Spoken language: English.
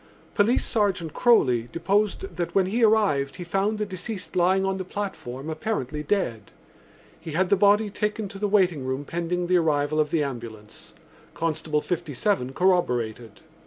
Police Sergeant Croly deposed that when he arrived he found the deceased lying on the platform apparently dead. He had the body taken to the waiting room pending the arrival of the ambulance. Constable 57E corroborated.